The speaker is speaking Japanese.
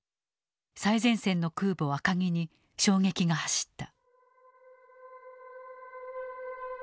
最前線の空母赤城に衝撃が走った。